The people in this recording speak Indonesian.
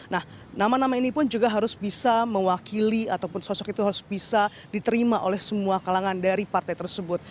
nah nama nama ini pun juga harus bisa mewakili ataupun sosok itu harus bisa diterima oleh semua kalangan dari partai tersebut